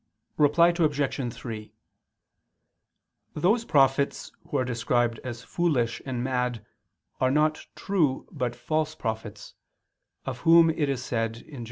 Reply Obj. 3: Those prophets who are described as foolish and mad are not true but false prophets, of whom it is said (Jer.